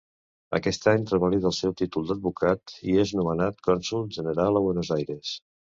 Aquest any revalida el seu títol d'advocat i és nomenat Cònsol General a Buenos Aires.